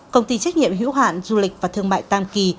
công ty trách nhiệm hữu hạn du lịch và thương mại tam kỳ